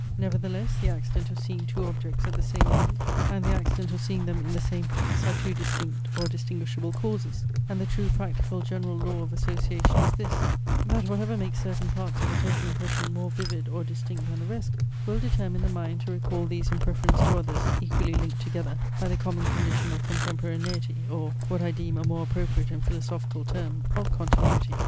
Nevertheless the accident of seeing two objects at the same moment, and the accident of seeing them in the same place are two distinct or distinguishable causes: and the true practical general law of association is this; that whatever makes certain parts of a total impression more vivid or distinct than the rest, will determine the mind to recall these in preference to others equally linked together by the common condition of contemporaneity, or (what I deem a more appropriate and philosophical term) of continuity.